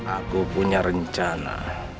aku punya rencana